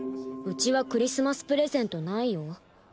うちはクリスマスプレゼントないよ。